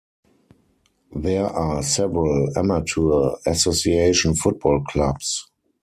There are several amateur association football clubs.